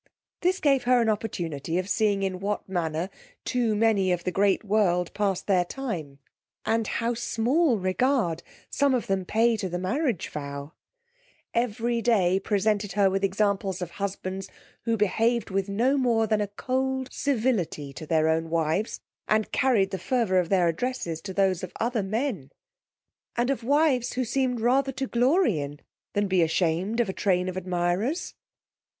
This gave her an opportunity of seeing in what manner too many of the great world passed their time, and how small regard some of them pay to the marriage vow: everyday presented her with examples of husbands, who behaved with no more than a cold civility to their own wives, and carried the fervor of their addresses to those of other men; and of wives who seemed rather to glory in, than be ashamed of a train of admirers.